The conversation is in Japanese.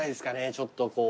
ちょっとこう。